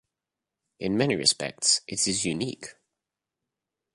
In many respects it is unique.